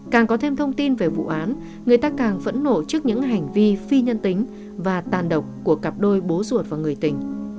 càng có thêm thông tin về vụ án người ta càng phẫn nộ trước những hành vi phi nhân tính và tàn độc của cặp đôi bố ruột và người tình